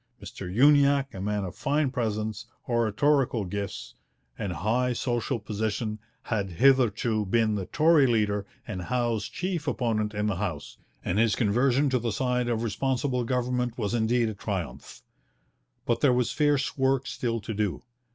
Mr Uniacke, a man of fine presence, oratorical gifts, and high social position, had hitherto been the Tory leader and Howe's chief opponent in the House, and his conversion to the side of Responsible Government was indeed a triumph. But there was fierce work still to do.